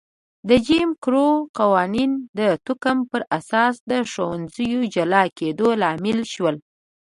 د جیم کرو قوانین د توکم پر اساس د ښوونځیو جلا کېدو لامل شول.